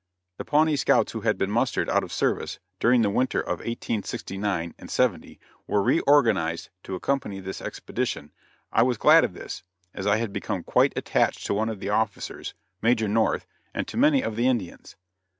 The Pawnee scouts who had been mustered out of service, during the winter of 1869 and '70, were reorganized to accompany this expedition. I was glad of this, as I had become quite attached to one of the officers, Major North, and to many of the Indians.